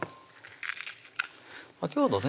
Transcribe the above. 今日のね